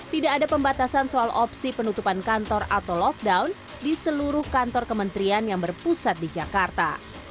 tidak ada pembatasan soal opsi penutupan kantor atau lockdown di seluruh kantor kementerian yang berpusat di jakarta